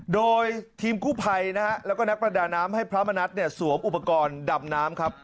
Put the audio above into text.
โดยทีมกู้ภัยนะฮะแล้วก็นักประดาน้ำให้พระมณัฐเนี่ยสวมอุปกรณ์ดำน้ำครับ